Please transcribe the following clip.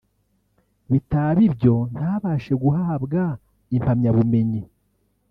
bitaba ibyo ntabashe guhabwa impamyabumenyi